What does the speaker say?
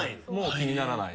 気にならない。